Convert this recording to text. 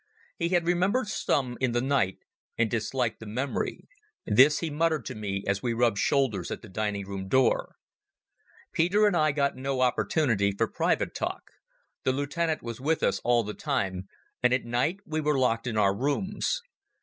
He had remembered Stumm in the night and disliked the memory; this he muttered to me as we rubbed shoulders at the dining room door. Peter and I got no opportunity for private talk. The lieutenant was with us all the time, and at night we were locked in our rooms.